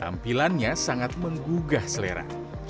tampilannya sangat menggugah selera